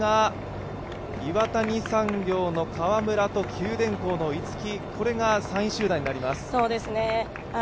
その後になりますが、岩谷産業の川村と九電工の逸木、これが３位集団になります。